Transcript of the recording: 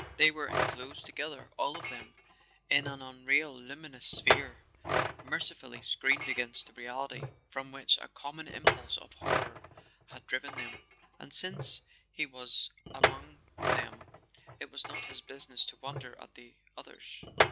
They were en¬ closed together, all of them, in an unreal luminous sphere, mercifully screened against the reality from which a common impulse of horror had driven them; and since he was among them it was not his business to wonder at the others.